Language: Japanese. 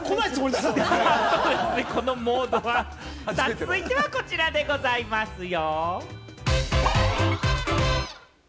続いては、こちらでございますよ。